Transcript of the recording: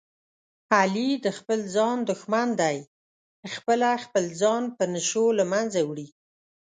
علي د خپل ځان دښمن دی، خپله خپل ځان په نشو له منځه وړي.